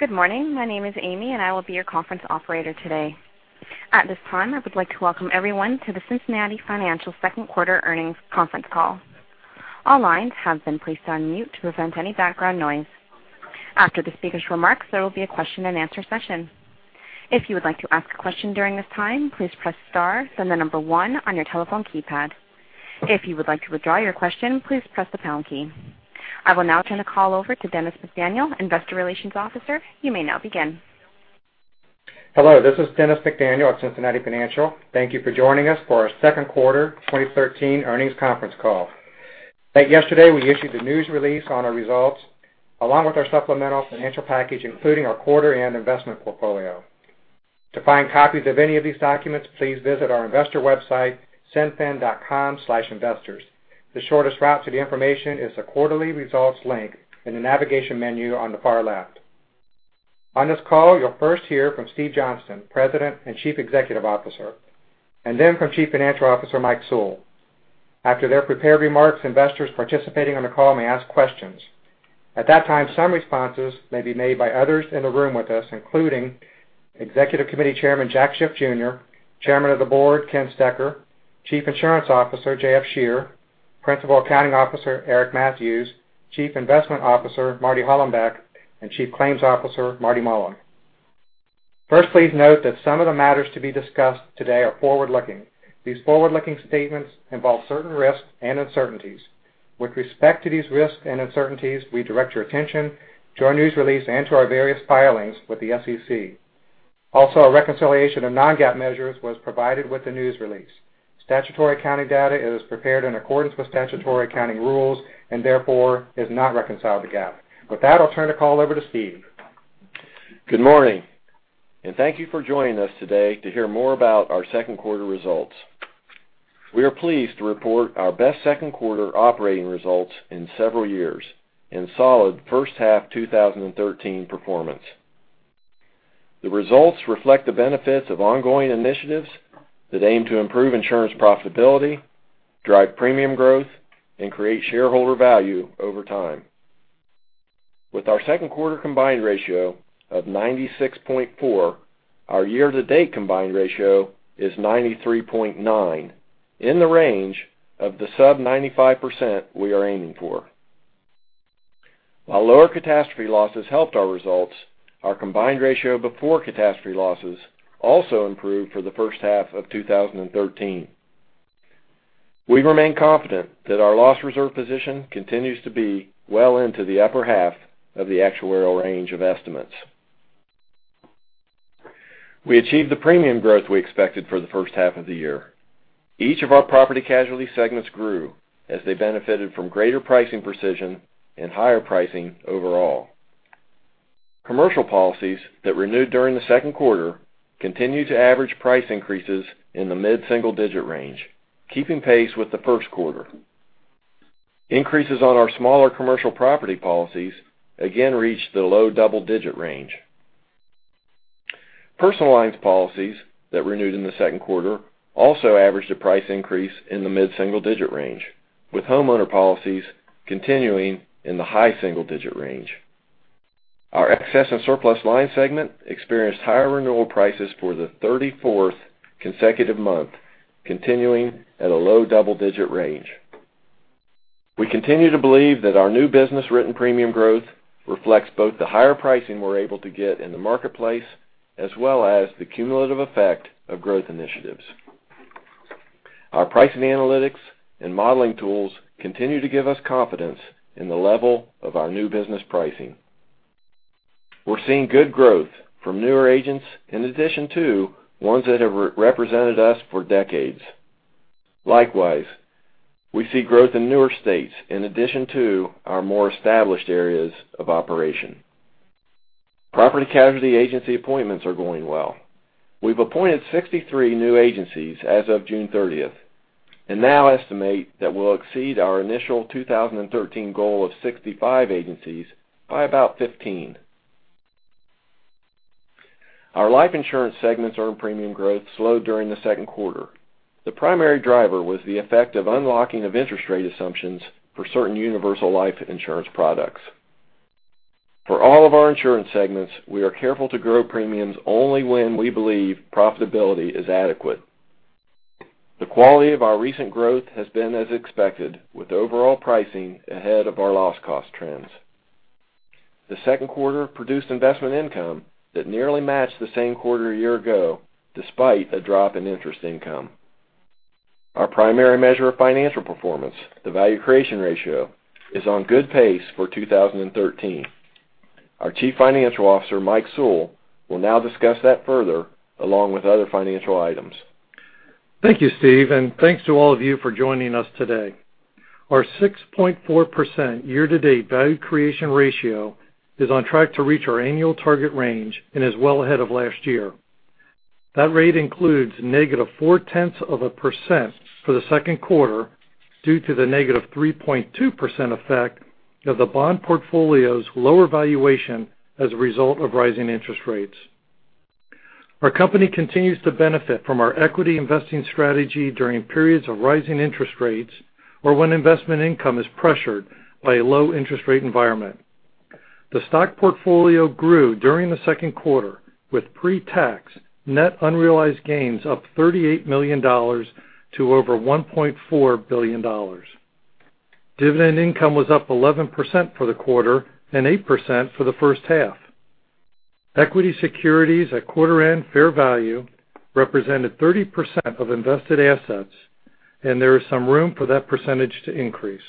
Good morning. My name is Amy, and I will be your conference operator today. At this time, I would like to welcome everyone to the Cincinnati Financial second quarter earnings conference call. All lines have been placed on mute to prevent any background noise. After the speaker's remarks, there will be a question and answer session. If you would like to ask a question during this time, please press star, then the number 1 on your telephone keypad. If you would like to withdraw your question, please press the pound key. I will now turn the call over to Dennis McDaniel, investor relations officer. You may now begin. Hello, this is Dennis McDaniel at Cincinnati Financial. Thank you for joining us for our second quarter 2013 earnings conference call. Late yesterday, we issued the news release on our results, along with our supplemental financial package, including our quarter and investment portfolio. To find copies of any of these documents, please visit our investor website, cinfin.com/investors. The shortest route to the information is the Quarterly Results link in the navigation menu on the far left. On this call, you'll first hear from Steve Johnston, President and Chief Executive Officer, and then from Chief Financial Officer Mike Sewell. After their prepared remarks, investors participating on the call may ask questions. At that time, some responses may be made by others in the room with us, including Executive Committee Chairman Jack Schiff Jr., Chairman of the Board Ken Stecher, Chief Insurance Officer J.F. Scherer, Principal Accounting Officer Eric Mathews, Chief Investment Officer Marty Hollenbeck, and Chief Claims Officer Marty Mullen. Please note that some of the matters to be discussed today are forward-looking. These forward-looking statements involve certain risks and uncertainties. With respect to these risks and uncertainties, we direct your attention to our news release and to our various filings with the SEC. A reconciliation of non-GAAP measures was provided with the news release. Statutory accounting data is prepared in accordance with statutory accounting rules and therefore is not reconciled to GAAP. I'll turn the call over to Steve. Good morning, and thank you for joining us today to hear more about our second quarter results. We are pleased to report our best second quarter operating results in several years, and solid first half 2013 performance. The results reflect the benefits of ongoing initiatives that aim to improve insurance profitability, drive premium growth, and create shareholder value over time. With our second quarter combined ratio of 96.4, our year-to-date combined ratio is 93.9, in the range of the sub 95% we are aiming for. While lower catastrophe losses helped our results, our combined ratio before catastrophe losses also improved for the first half of 2013. We remain confident that our loss reserve position continues to be well into the upper half of the actuarial range of estimates. We achieved the premium growth we expected for the first half of the year. Each of our property casualty segments grew as they benefited from greater pricing precision and higher pricing overall. Commercial policies that renewed during the second quarter continued to average price increases in the mid-single-digit range, keeping pace with the first quarter. Increases on our smaller commercial property policies again reached the low double-digit range. Personal lines policies that renewed in the second quarter also averaged a price increase in the mid-single-digit range, with homeowner policies continuing in the high single-digit range. Our excess and surplus line segment experienced higher renewal prices for the 34th consecutive month, continuing at a low double-digit range. We continue to believe that our new business written premium growth reflects both the higher pricing we're able to get in the marketplace, as well as the cumulative effect of growth initiatives. Our pricing analytics and modeling tools continue to give us confidence in the level of our new business pricing. We're seeing good growth from newer agents in addition to ones that have represented us for decades. Likewise, we see growth in newer states in addition to our more established areas of operation. Property casualty agency appointments are going well. We've appointed 63 new agencies as of June 30th, and now estimate that we'll exceed our initial 2013 goal of 65 agencies by about 15. Our life insurance segments earned premium growth slowed during the second quarter. The primary driver was the effect of unlocking of interest rate assumptions for certain universal life insurance products. For all of our insurance segments, we are careful to grow premiums only when we believe profitability is adequate. The quality of our recent growth has been as expected, with overall pricing ahead of our loss cost trends. The second quarter produced investment income that nearly matched the same quarter a year ago, despite a drop in interest income. Our primary measure of financial performance, the Value Creation Ratio, is on good pace for 2013. Our Chief Financial Officer, Michael Sewell, will now discuss that further, along with other financial items. Thank you, Steve, and thanks to all of you for joining us today. Our 6.4% year-to-date Value Creation Ratio is on track to reach our annual target range and is well ahead of last year. That rate includes -0.4% for the second quarter due to the -3.2% effect of the bond portfolio's lower valuation as a result of rising interest rates. Our company continues to benefit from our equity investing strategy during periods of rising interest rates or when investment income is pressured by a low interest rate environment. The stock portfolio grew during the second quarter, with pre-tax net unrealized gains up $38 million to over $1.4 billion. Dividend income was up 11% for the quarter and 8% for the first half. Equity securities at quarter end fair value represented 30% of invested assets, and there is some room for that percentage to increase.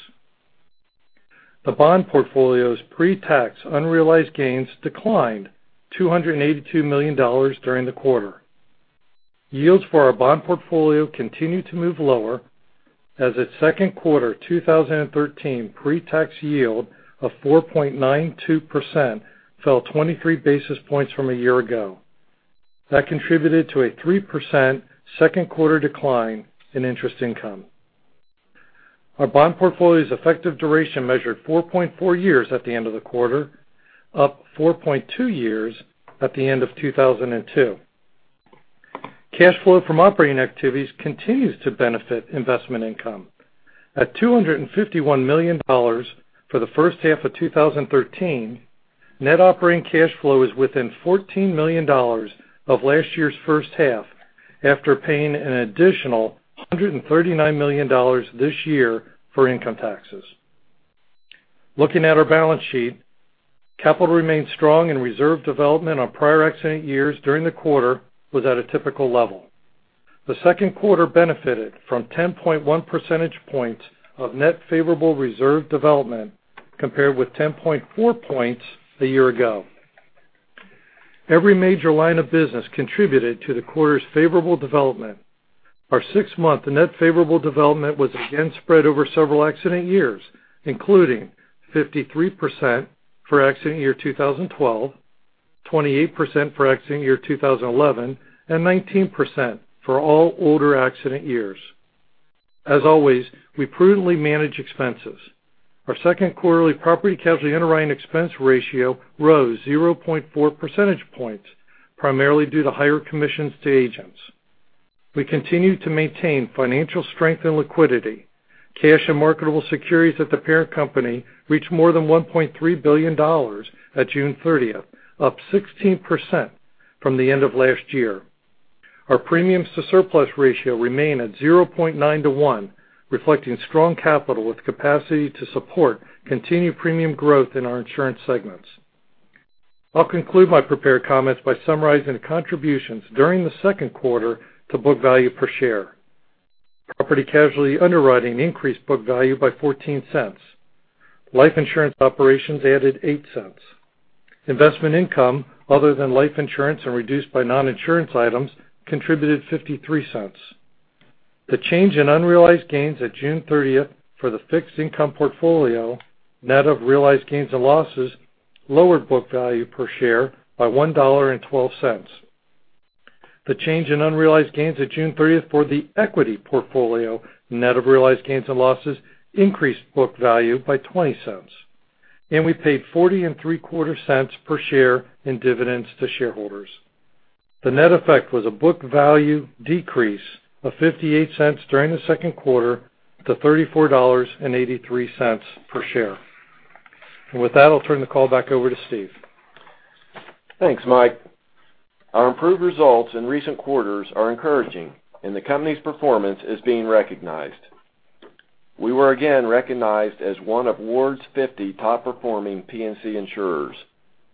The bond portfolio's pre-tax unrealized gains declined $282 million during the quarter. Yields for our bond portfolio continued to move lower as its second quarter 2013 pre-tax yield of 4.92% fell 23 basis points from a year ago. That contributed to a 3% second quarter decline in interest income. Our bond portfolio's effective duration measured 4.4 years at the end of the quarter, up 4.2 years at the end of 2012. Cash flow from operating activities continues to benefit investment income. At $251 million for the first half of 2013, net operating cash flow is within $14 million of last year's first half after paying an additional $139 million this year for income taxes. Looking at our balance sheet, capital remained strong and reserve development on prior accident years during the quarter was at a typical level. The second quarter benefited from 10.1 percentage points of net favorable reserve development compared with 10.4 points a year ago. Every major line of business contributed to the quarter's favorable development. Our six-month net favorable development was again spread over several accident years, including 53% for accident year 2012, 28% for accident year 2011, and 19% for all older accident years. As always, we prudently manage expenses. Our second quarterly property casualty underwriting expense ratio rose 0.4 percentage points, primarily due to higher commissions to agents. We continue to maintain financial strength and liquidity. Cash and marketable securities at the parent company reached more than $1.3 billion at June 30th, up 16% from the end of last year. Our premiums to surplus ratio remain at 0.9 to one, reflecting strong capital with capacity to support continued premium growth in our insurance segments. I'll conclude my prepared comments by summarizing the contributions during the second quarter to book value per share. Property casualty underwriting increased book value by $0.14. Life insurance operations added $0.08. Investment income other than life insurance and reduced by non-insurance items contributed $0.53. The change in unrealized gains at June 30th for the fixed income portfolio, net of realized gains and losses, lowered book value per share by $1.12. The change in unrealized gains at June 30th for the equity portfolio, net of realized gains and losses, increased book value by $0.20. We paid $0.4075 per share in dividends to shareholders. The net effect was a book value decrease of $0.58 during the second quarter to $34.83 per share. With that, I'll turn the call back over to Steve. Thanks, Mike. Our improved results in recent quarters are encouraging and the company's performance is being recognized. We were again recognized as one of Ward's 50 top performing P&C insurers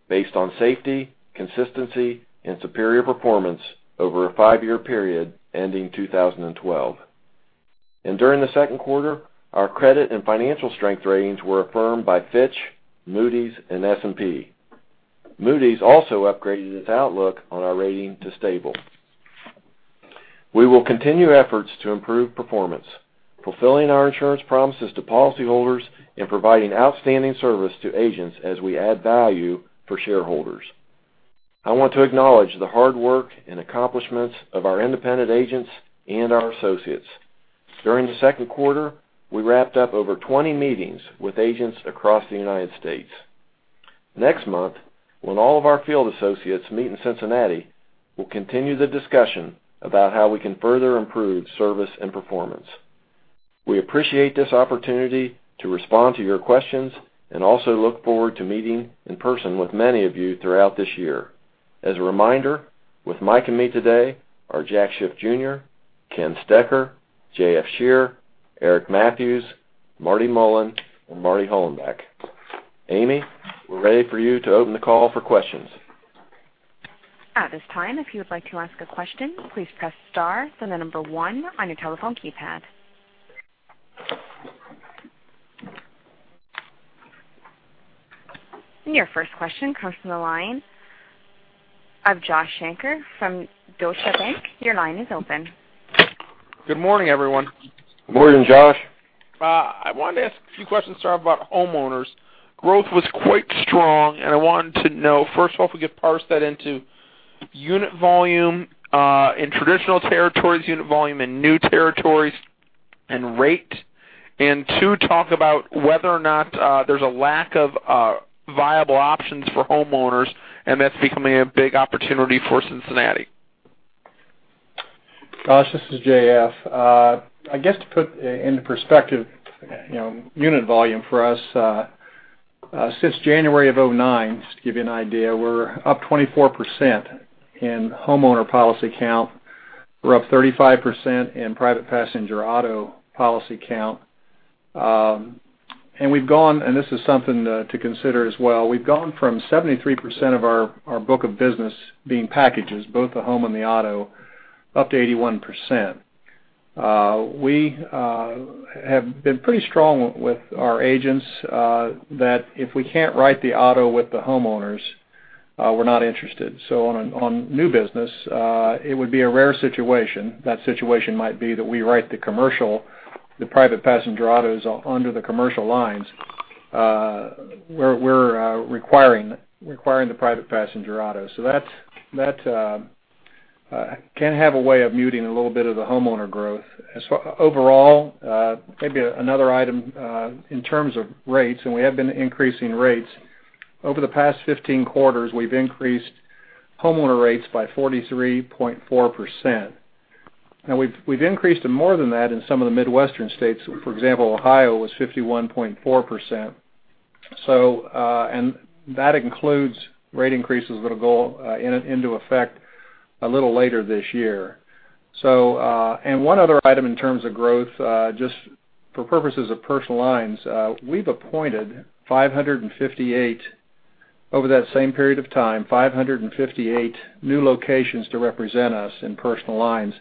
based on safety, consistency, and superior performance over a five-year period ending 2012. During the second quarter, our credit and financial strength ratings were affirmed by Fitch, Moody's, and S&P. Moody's also upgraded its outlook on our rating to stable. We will continue efforts to improve performance, fulfilling our insurance promises to policyholders and providing outstanding service to agents as we add value for shareholders. I want to acknowledge the hard work and accomplishments of our independent agents and our associates. During the second quarter, we wrapped up over 20 meetings with agents across the U.S. Next month, when all of our field associates meet in Cincinnati, we'll continue the discussion about how we can further improve service and performance. We appreciate this opportunity to respond to your questions and also look forward to meeting in person with many of you throughout this year. As a reminder, with Mike and me today are Jack Schiff Jr., Ken Stecher, J.F. Scherer, Eric M. Mathews, Marty Mullen, and Marty Hollenbeck. Amy, we're ready for you to open the call for questions. At this time, if you would like to ask a question, please press star, then number 1 on your telephone keypad. Your first question comes from the line of Joshua Shanker from Deutsche Bank. Your line is open. Good morning, everyone. Morning, Josh. I wanted to ask a few questions to start about homeowners. Growth was quite strong. I wanted to know, first off, if we could parse that into unit volume in traditional territories, unit volume in new territories. rate. Two, talk about whether or not there's a lack of viable options for homeowners, and that's becoming a big opportunity for Cincinnati. Josh, this is J.F. I guess to put into perspective, unit volume for us, since January of 2009, just to give you an idea, we're up 24% in homeowner policy count. We're up 35% in private passenger auto policy count. We've gone, and this is something to consider as well, we've gone from 73% of our book of business being packages, both the home and the auto, up to 81%. We have been pretty strong with our agents that if we can't write the auto with the homeowners, we're not interested. On new business, it would be a rare situation. That situation might be that we write the commercial, the private passenger autos, under the commercial lines. We're requiring the private passenger autos. That can have a way of muting a little bit of the homeowner growth. Overall, maybe another item in terms of rates. We have been increasing rates. Over the past 15 quarters, we've increased homeowner rates by 43.4%. Now we've increased them more than that in some of the Midwestern states. For example, Ohio was 51.4%. That includes rate increases that'll go into effect a little later this year. One other item in terms of growth, just for purposes of personal lines, we've appointed 558 over that same period of time, 558 new locations to represent us in personal lines,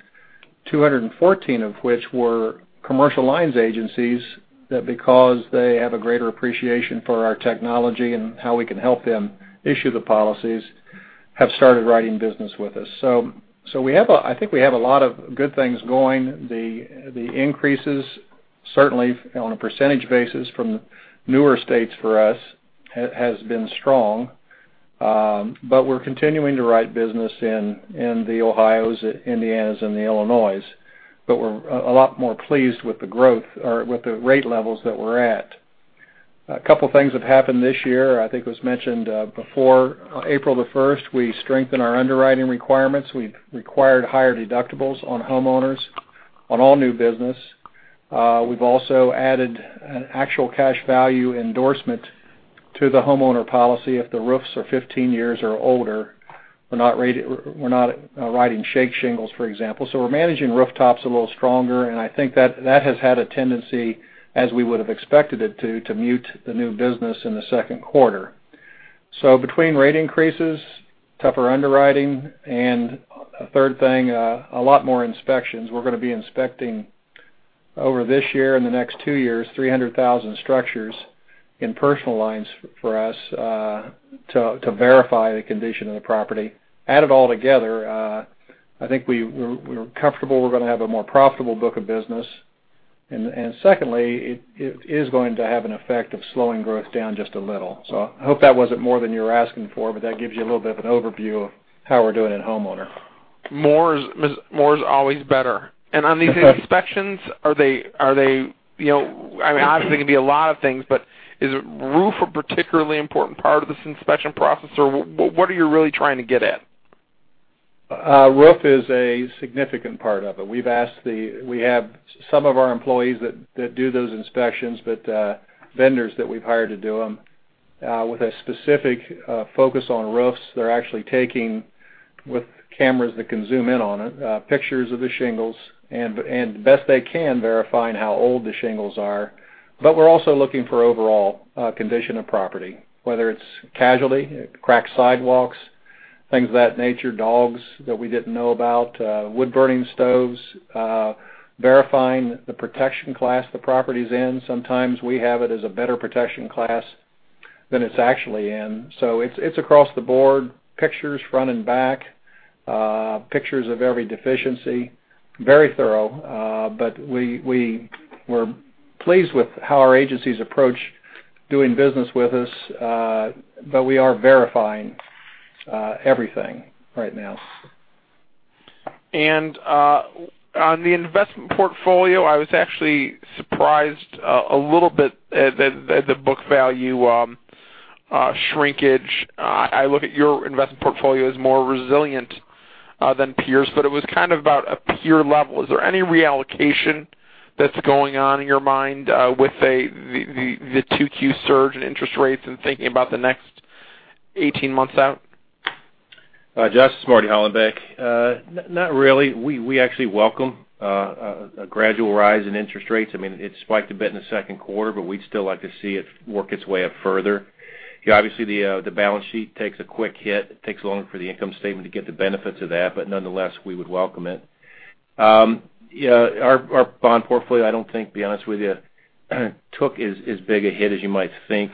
214 of which were commercial lines agencies that because they have a greater appreciation for our technology and how we can help them issue the policies, have started writing business with us. I think we have a lot of good things going. The increases, certainly on a percentage basis from newer states for us, has been strong. We're continuing to write business in the Ohios, the Indianas and the Illinois. We're a lot more pleased with the growth or with the rate levels that we're at. A couple things have happened this year. I think it was mentioned before, April the 1st, we strengthened our underwriting requirements. We've required higher deductibles on homeowners on all new business. We've also added an actual cash value endorsement to the homeowner policy if the roofs are 15 years or older. We're not writing shake shingles, for example. We're managing rooftops a little stronger, and I think that has had a tendency, as we would've expected it to mute the new business in the second quarter. Between rate increases, tougher underwriting, and a third thing, a lot more inspections. We're going to be inspecting over this year and the next two years, 300,000 structures in personal lines for us to verify the condition of the property. Add it all together, I think we're comfortable we're going to have a more profitable book of business. Secondly, it is going to have an effect of slowing growth down just a little. I hope that wasn't more than you were asking for, that gives you a little bit of an overview of how we're doing in homeowner. More is always better. On these inspections, obviously they can be a lot of things, is roof a particularly important part of this inspection process, or what are you really trying to get at? Roof is a significant part of it. We have some of our employees that do those inspections, vendors that we've hired to do them with a specific focus on roofs. They're actually taking, with cameras that can zoom in on it, pictures of the shingles and the best they can verifying how old the shingles are. We're also looking for overall condition of property, whether it's casualty, cracked sidewalks, things of that nature, dogs that we didn't know about, wood burning stoves, verifying the protection class the property's in. Sometimes we have it as a better protection class than it's actually in. It's across the board, pictures front and back, pictures of every deficiency. Very thorough. We're pleased with how our agencies approach doing business with us. We are verifying everything right now. On the investment portfolio, I was actually surprised a little bit at the book value shrinkage. I look at your investment portfolio as more resilient than peers, but it was kind of about a peer level. Is there any reallocation that's going on in your mind with, say, the 2Q surge in interest rates and thinking about the next 18 months out? Josh, it's Marty Hollenbeck. Not really. We actually welcome a gradual rise in interest rates. It spiked a bit in the second quarter, we'd still like to see it work its way up further. Obviously, the balance sheet takes a quick hit. It takes longer for the income statement to get the benefits of that, nonetheless, we would welcome it. Our bond portfolio, I don't think, to be honest with you, took as big a hit as you might think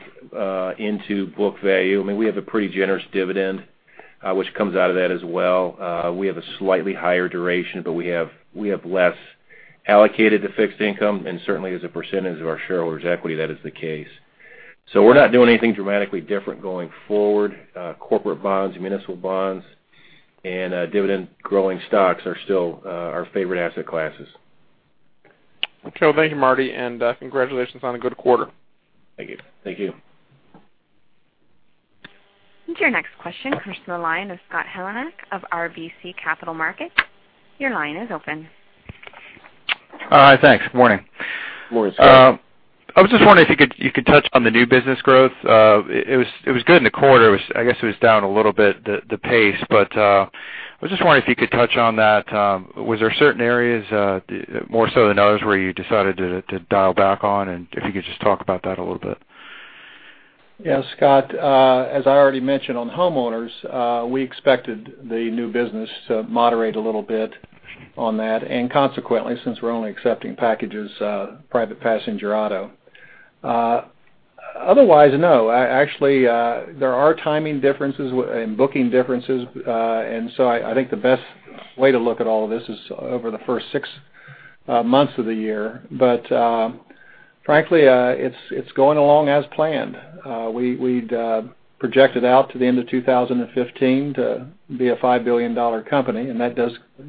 into book value. We have a pretty generous dividend which comes out of that as well. We have a slightly higher duration, we have less allocated to fixed income and certainly as a percentage of our shareholders' equity, that is the case. We're not doing anything dramatically different going forward. Corporate bonds, municipal bonds, and dividend-growing stocks are still our favorite asset classes. Okay. Well, thank you, Marty, congratulations on a good quarter. Thank you. Thank you. Your next question comes from the line of Scott Heleniak of RBC Capital Markets. Your line is open. All right, thanks. Morning. Morning, Scott. I was just wondering if you could touch on the new business growth. It was good in the quarter. I guess it was down a little bit, the pace, but I was just wondering if you could touch on that. Was there certain areas, more so than others, where you decided to dial back on, and if you could just talk about that a little bit? Yeah, Scott, as I already mentioned on homeowners, we expected the new business to moderate a little bit on that, and consequently, since we're only accepting packages, private passenger auto. Otherwise, no. Actually, there are timing differences and booking differences. I think the best way to look at all of this is over the first six months of the year. Frankly, it's going along as planned. We'd projected out to the end of 2015 to be a $5 billion company, and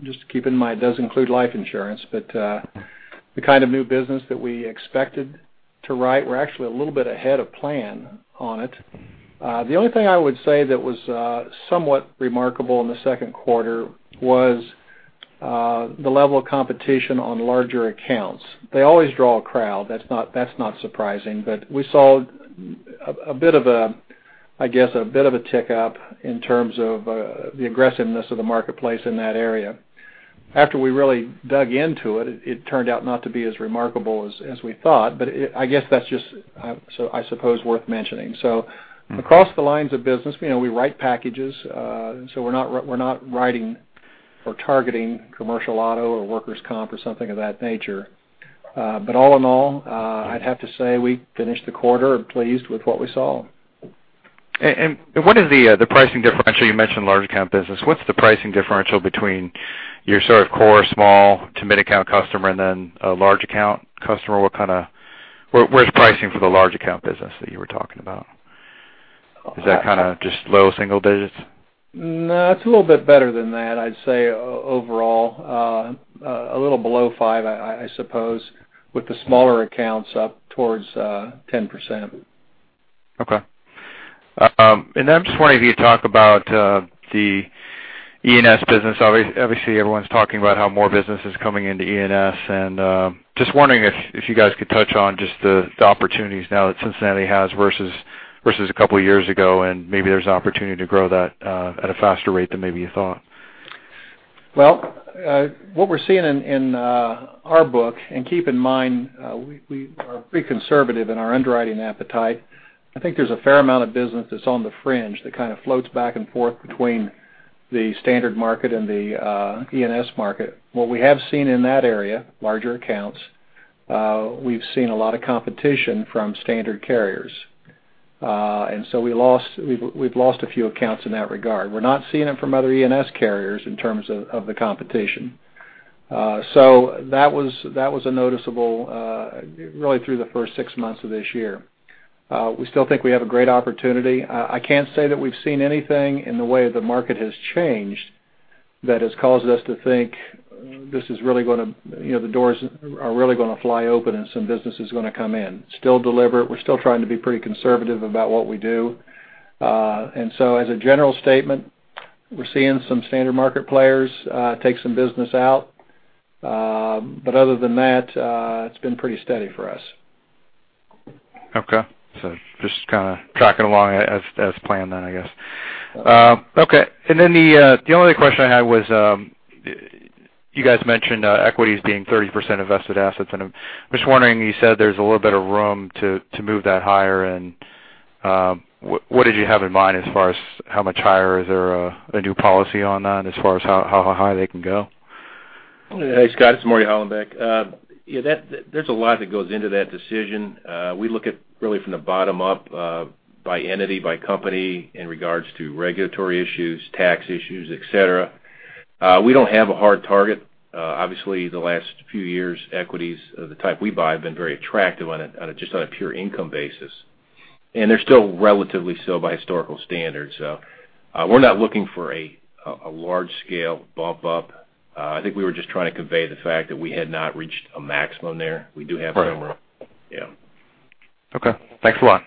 just keep in mind, it does include life insurance. The kind of new business that we expected to write, we're actually a little bit ahead of plan on it. The only thing I would say that was somewhat remarkable in the second quarter was the level of competition on larger accounts. They always draw a crowd, that's not surprising. We saw, I guess, a bit of a tick up in terms of the aggressiveness of the marketplace in that area. After we really dug into it turned out not to be as remarkable as we thought, but I guess that's just, I suppose, worth mentioning. Across the lines of business, we write packages, so we're not writing or targeting commercial auto or workers' comp or something of that nature. All in all, I'd have to say I finished the quarter pleased with what we saw. What is the pricing differential? You mentioned large account business. What's the pricing differential between your sort of core small to mid account customer and then a large account customer? Where's pricing for the large account business that you were talking about? Is that kind of just low single digits? No, it's a little bit better than that. I'd say overall, a little below five, I suppose, with the smaller accounts up towards 10%. Okay. Then I'm just wondering if you could talk about the E&S business. Obviously, everyone's talking about how more business is coming into E&S, just wondering if you guys could touch on just the opportunities now that Cincinnati has versus a couple of years ago, maybe there's an opportunity to grow that at a faster rate than maybe you thought. Well, what we're seeing in our book, keep in mind, we are pretty conservative in our underwriting appetite. I think there's a fair amount of business that's on the fringe that kind of floats back and forth between the standard market and the E&S market. What we have seen in that area, larger accounts, we've seen a lot of competition from standard carriers. We've lost a few accounts in that regard. We're not seeing them from other E&S carriers in terms of the competition. That was noticeable really through the first six months of this year. We still think we have a great opportunity. I can't say that we've seen anything in the way that the market has changed that has caused us to think the doors are really going to fly open and some business is going to come in. Still deliberate. We're still trying to be pretty conservative about what we do. As a general statement, we're seeing some standard market players take some business out. Other than that, it's been pretty steady for us. Okay. Just kind of tracking along as planned then, I guess. Okay. The only other question I had was, you guys mentioned equities being 30% invested assets, and I'm just wondering, you said there's a little bit of room to move that higher and what did you have in mind as far as how much higher? Is there a new policy on that as far as how high they can go? Hey, Scott, it's Marty Hollenbeck. There's a lot that goes into that decision. We look at really from the bottom up, by entity, by company, in regards to regulatory issues, tax issues, et cetera. We don't have a hard target. Obviously, the last few years, equities of the type we buy have been very attractive just on a pure income basis. They're still relatively so by historical standards. We're not looking for a large scale bump up. I think we were just trying to convey the fact that we had not reached a maximum there. We do have some room. Right. Yeah. Okay. Thanks a lot.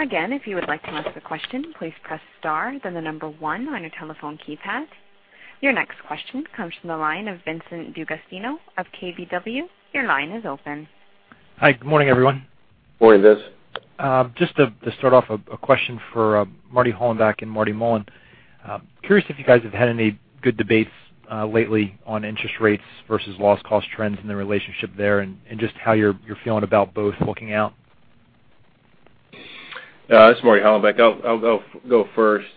Again, if you would like to ask a question, please press star, then the number one on your telephone keypad. Your next question comes from the line of Vincent DeAugustino of KBW. Your line is open. Hi, good morning, everyone. Morning, Vince. Just to start off, a question for Marty Hollenbeck and Marty Mullen. Curious if you guys have had any good debates lately on interest rates versus loss cost trends and the relationship there, and just how you're feeling about both looking out. This is Marty Hollenbeck. I'll go first.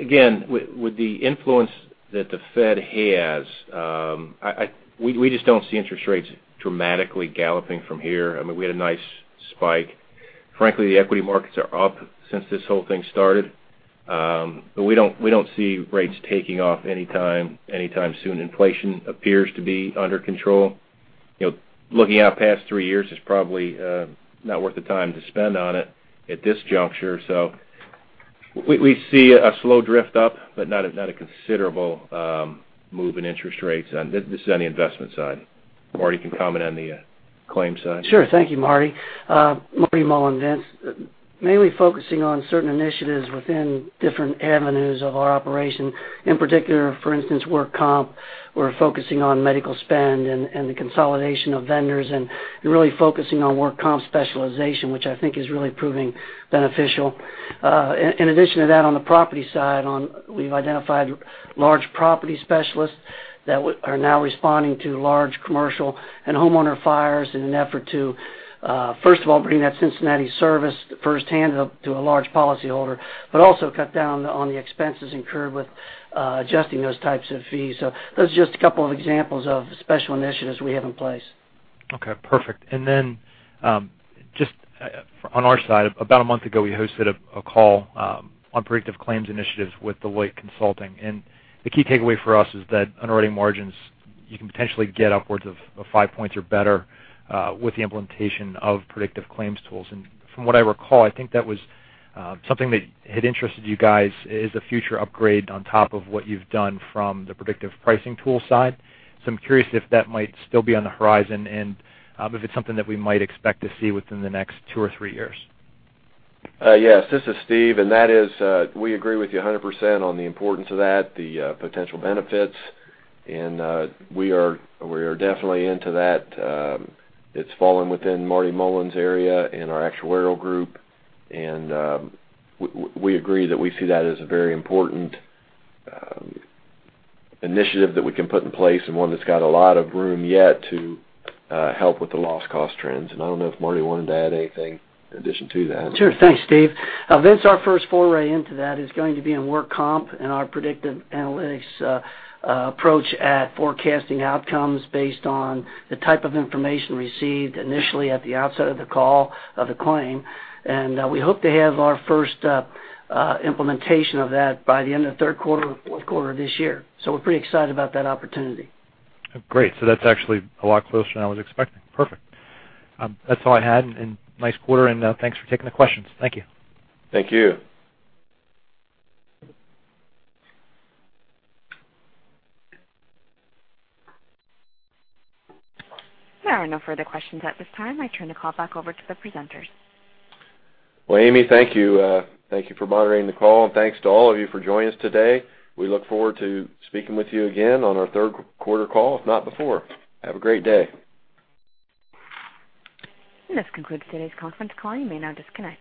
Again, with the influence that the Fed has, we just don't see interest rates dramatically galloping from here. I mean, we had a nice spike Frankly, the equity markets are up since this whole thing started. We don't see rates taking off anytime soon. Inflation appears to be under control. Looking out past three years is probably not worth the time to spend on it at this juncture. We see a slow drift up, but not a considerable move in interest rates. This is on the investment side. Marty can comment on the claims side. Sure. Thank you, Marty. Marty Mullen, Vince. Mainly focusing on certain initiatives within different avenues of our operation. In particular, for instance, work comp, we're focusing on medical spend and the consolidation of vendors, and really focusing on work comp specialization, which I think is really proving beneficial. In addition to that, on the property side, we've identified large property specialists that are now responding to large commercial and homeowner fires in an effort to, first of all, bring that Cincinnati service firsthand to a large policyholder, but also cut down on the expenses incurred with adjusting those types of fees. Those are just a couple of examples of special initiatives we have in place. Okay, perfect. Then, just on our side, about a month ago, we hosted a call on predictive claims initiatives with Deloitte Consulting. The key takeaway for us is that underwriting margins, you can potentially get upwards of five points or better with the implementation of predictive claims tools. From what I recall, I think that was something that had interested you guys is a future upgrade on top of what you've done from the predictive pricing tool side. I'm curious if that might still be on the horizon and if it's something that we might expect to see within the next two or three years. Yes. This is Steve. We agree with you 100% on the importance of that, the potential benefits. We are definitely into that. It's fallen within Marty Mullen's area in our actuarial group. We agree that we see that as a very important initiative that we can put in place and one that's got a lot of room yet to help with the loss cost trends. I don't know if Marty wanted to add anything in addition to that. Sure. Thanks, Steven. Vincent, our first foray into that is going to be in workers' compensation and our predictive analytics approach at forecasting outcomes based on the type of information received initially at the outset of the call of the claim. We hope to have our first implementation of that by the end of the third quarter or fourth quarter of this year. We're pretty excited about that opportunity. Great. That's actually a lot closer than I was expecting. Perfect. That's all I had, and nice quarter, and thanks for taking the questions. Thank you. Thank you. There are no further questions at this time. I turn the call back over to the presenters. Well, Amy, thank you. Thank you for moderating the call, and thanks to all of you for joining us today. We look forward to speaking with you again on our third quarter call, if not before. Have a great day. This concludes today's conference call. You may now disconnect.